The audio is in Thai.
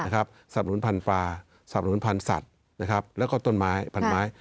สำนุนพันธราสับหนุนพันธุ์สัตว์แล้วก็ต้นไม้พันไม้